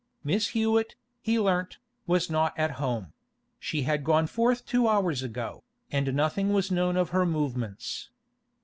Miss Hewett, he learnt, was not at home; she had gone forth two hours ago, and nothing was known of her movements.